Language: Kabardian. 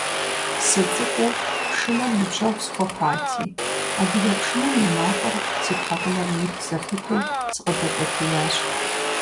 СыцӀыкӀуу пшынэр ныбжьэгъу схуэхъуати, адыгэ пшынэм и макъыр си тхьэкӀумэм ит зэпыту сыкъыдэкӀуэтеящ.